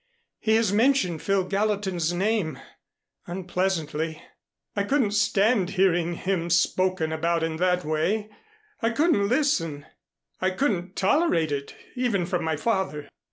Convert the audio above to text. "He has mentioned Phil Gallatin's name unpleasantly. I couldn't stand hearing him spoken about in that way. I couldn't listen. I couldn't tolerate it even from my father.